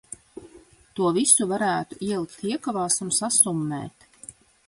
To visu varētu ielikt iekavās un sasummēt.